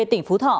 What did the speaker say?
tỉnh phú thọ